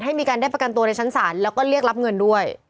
ให้มีการได้ประกันตัวในชั้นศาลแล้วก็เรียกรับเงินด้วย